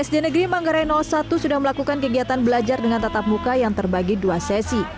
sd negeri manggarai satu sudah melakukan kegiatan belajar dengan tatap muka yang terbagi dua sesi